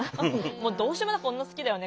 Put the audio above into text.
「もうどうしようもなく女好きだよね。